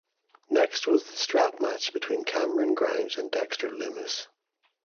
Next was the strap match between Cameron Grimes and Dexter Lumis.